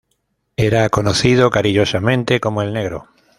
Era conocido cariñosamente como El Negro.